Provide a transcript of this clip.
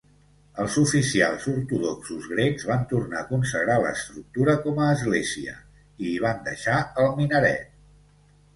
Els oficials ortodoxos grecs van tornar a consagrar l'estructura com a església i hi van deixar el minaret.